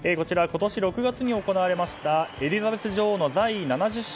今年６月に行われましたエリザベス女王の在位